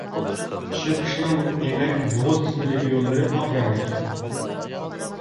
چىشى قۇشنىڭ ئېڭەك، بوغۇز قىسمىدىكى يوللىرى ئاق رەڭلىك.